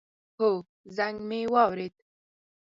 هو، زنګ می واورېد